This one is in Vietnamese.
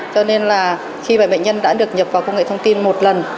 cho nên là khi vậy bệnh nhân đã được nhập vào công nghệ thông tin một lần